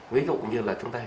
ví dụ như là chúng ta